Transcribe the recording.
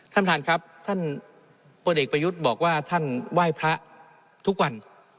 ท่านประธานครับท่านพลเอกประยุทธ์บอกว่าท่านไหว้พระทุกวัน